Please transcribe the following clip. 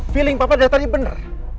feeling papa dari tadi benar